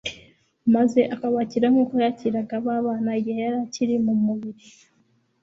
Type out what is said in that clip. maze akabakira nkuko yakiraga ba bana i Gihe yari akiri mu mubiri.